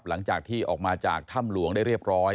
หลังจากที่ออกมาจากถ้ำหลวงได้เรียบร้อย